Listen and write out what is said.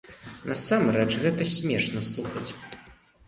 Насамрэч гэта смешна слухаць.